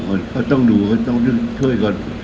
ก็ต้องดูก็ต้องช่วยก่อน